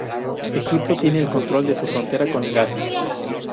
Egipto tiene el control de su frontera con Gaza.